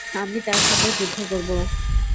আমি তার সাথে যুদ্ধ করব।